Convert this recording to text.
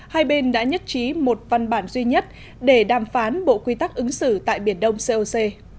hai bên đã nhất trí một văn bản duy nhất để đàm phán bộ quy tắc ứng xử tại biển đông coc